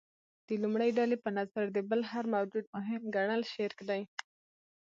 د لومړۍ ډلې په نظر د بل هر موجود مهم ګڼل شرک دی.